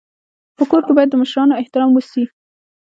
په کور کي باید د مشرانو احترام وسي.